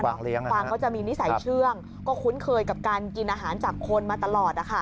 กวางก็จะมีนิสัยเชื่องก็คุ้นเคยกับการกินอาหารจากคนมาตลอด